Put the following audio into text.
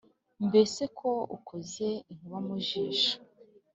mbese ko ukoze inkuba mu jisho